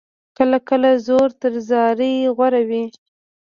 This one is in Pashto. کله کله زور تر زارۍ غوره وي.